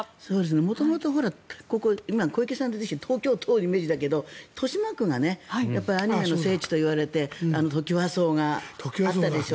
元々、ここ今、小池さんが出てきて東京都のイメージだけど豊島区がやはりアニメの聖地といわれてトキワ荘があったでしょ。